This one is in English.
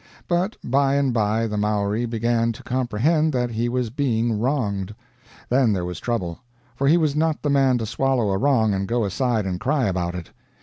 But by and by the Maori began to comprehend that he was being wronged; then there was trouble, for he was not the man to swallow a wrong and go aside and cry about it.